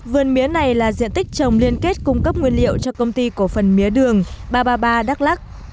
vườn mía này là diện tích trồng liên kết cung cấp nguyên liệu cho công ty cổ phần mía đường ba trăm ba mươi ba đắk lắc